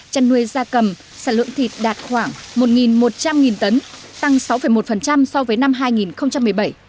chăn nuôi da cầm sản lượng thịt đạt khoảng một một trăm linh tấn tăng sáu một so với năm hai nghìn một mươi bảy